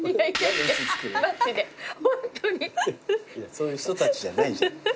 そういう人たちじゃないじゃん。